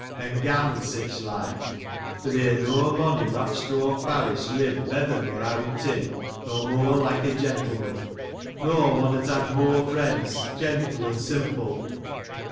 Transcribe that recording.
49 gam, an sicli like; for tliir no mon i' Rachdaw parish livt betthur nor Owd Tim, nor moor like a gentleman ; nor one at bad moor friends, gentle an simple.